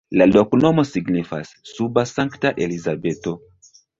La loknomo signifas: suba-Sankta-Elizabeto.